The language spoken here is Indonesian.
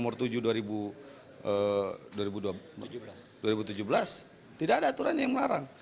kalau kita mengatur yang nomor tujuh dua ribu tujuh belas tidak ada aturan yang melarang